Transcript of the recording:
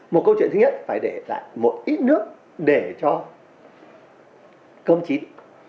một câu chuyện thứ nhất phải để lại một ít nước để cho cơm chín